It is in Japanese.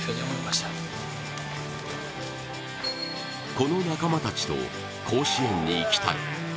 この仲間たちと甲子園に行きたい。